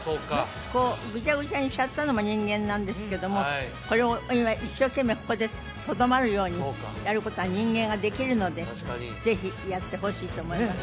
こうグチャグチャにしちゃったのも人間なんですけどもこれを今一生懸命ここでとどまるようにやることは人間ができるのでぜひやってほしいと思います